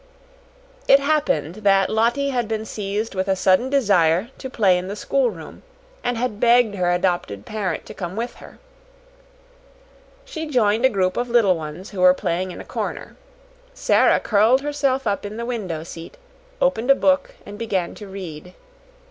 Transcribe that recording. It happened that Lottie had been seized with a sudden desire to play in the schoolroom, and had begged her adopted parent to come with her. She joined a group of little ones who were playing in a corner. Sara curled herself up in the window seat, opened a book, and began to read.